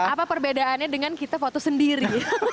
apa perbedaannya dengan kita foto sendiri